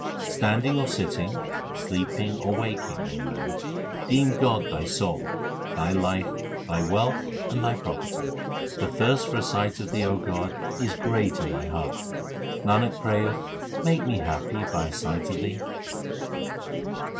Standing or sitting, sleeping or waking, O man, deem God thy soul, thy life, thy wealth, and thy property. The thirst for a sight of Thee, O God, is great in my heart ; Nanak prayeth make me happy by a sight of Thee.